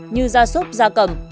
như da súp da cầm